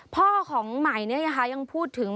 พ่อของหมายเนี่ยยังพูดถึง